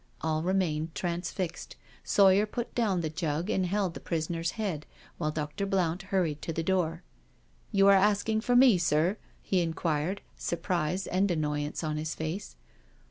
All remained transfixed. Sawyer put down the jug and held the prisoner's head, while Dr. Blount hurried to the door. " You are asking for me, sirP" he inquired, surprise and annoyance on his face.